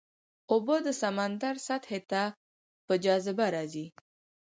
اوبه د سمندر سطحې ته په جاذبه راځي.